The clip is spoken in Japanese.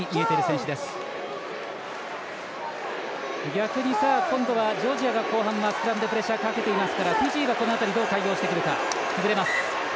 逆に今度は後半ジョージアがスクラムでプレッシャーかけているのでフィジーは、この辺りどう対応してくるか。